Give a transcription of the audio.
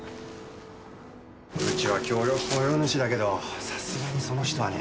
うちは協力雇用主だけどさすがにその人はね。